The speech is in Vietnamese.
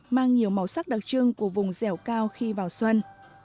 mang nhiều màu sắc đặc trưng của vùng dẻo cao khi vào xuân